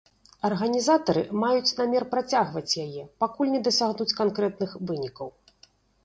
Арганізатары маюць намер працягваць яе, пакуль не дасягнуць канкрэтных вынікаў.